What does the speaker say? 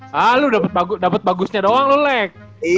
hah lu dapet bagusnya doang lu lek